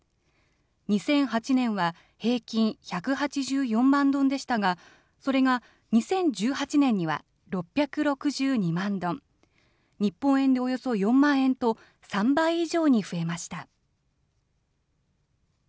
２００８年は平均１８４万ドンでしたが、それが２０１８年には６６２万ドン、日本円でおよそ４万円と、３倍以上に増えました。